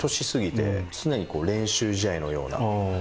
常に練習試合のような。